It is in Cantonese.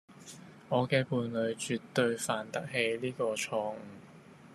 我嘅伴侶絕對犯得起呢個錯誤